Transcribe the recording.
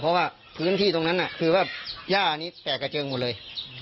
เพราะว่าพื้นที่ตรงนั้นคือว่าย่านี้แตกกระเจิงหมดเลย